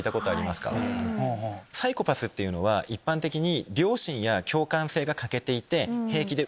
サイコパスっていうのは一般的に。